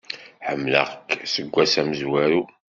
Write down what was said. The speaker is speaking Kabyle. Ḥemmleɣ-k seg ass amezwaru.